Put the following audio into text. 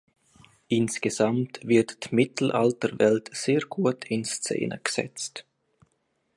Insgesamt wird die Mittelalterwelt sehr gut in Szene gesetzt.